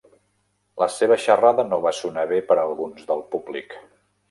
La seva xerrada no va sonar bé per a alguns del públic.